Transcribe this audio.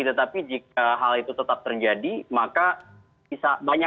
tetapi jika hal itu tetap terjadi maka bisa banyak